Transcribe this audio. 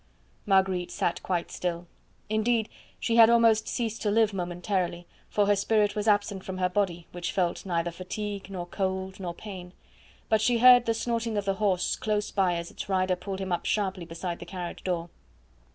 Marguerite sat quite still. Indeed, she had almost ceased to live momentarily, for her spirit was absent from her body, which felt neither fatigue, nor cold, nor pain. But she heard the snorting of the horse close by as its rider pulled him up sharply beside the carriage door.